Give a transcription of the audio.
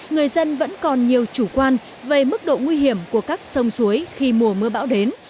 người dân vẫn còn nhiều chủ quan về mức độ nguy hiểm của các sông suối khi mùa mưa bão đến